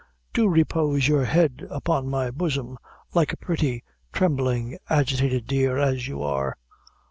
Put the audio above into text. Do repose your head upon my bosom, like a pretty, trembling, agitated dear, as you are."